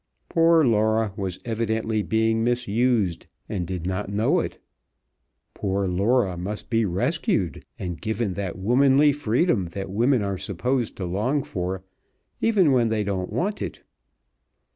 Poor Laura was evidently being misused and did not know it. Poor Laura must be rescued, and given that womanly freedom that women are supposed to long for, even when they don't want it.